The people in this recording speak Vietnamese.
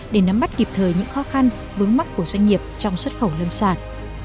để nắm bắt kịp thời những khó khăn vướng mắt của doanh nghiệp trong xuất khẩu lâm sản